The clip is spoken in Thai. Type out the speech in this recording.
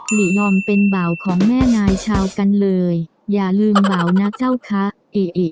หลียอมเป็นเบาของแม่นายชาวกันเลยอย่าลืมเบานะเจ้าคะเอ